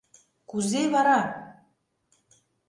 — Кузе вара?